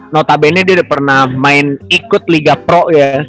notabene dia udah pernah main ikut liga pro ya